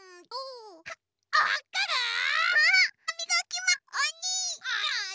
おに！